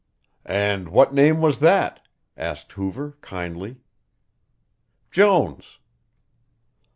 "And what name was that?" asked Hoover kindly. "Jones."